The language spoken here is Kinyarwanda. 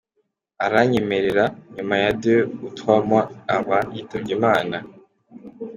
Aranyemerera, nyuma ya deux ou trois mois aba yitabye Imana.